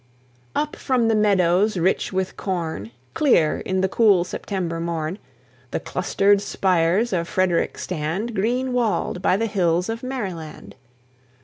(1807 92.) Up from the meadows rich with corn, Clear in the cool September morn, The clustered spires of Frederick stand Green walled by the hills of Maryland.